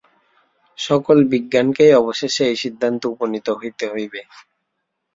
সকল বিজ্ঞানকেই অবশেষে এই সিদ্ধান্তে উপনীত হইতে হইবে।